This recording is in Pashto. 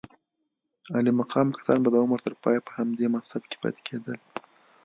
عالي مقام کسان به د عمر تر پایه په همدې منصب کې پاتې کېدل.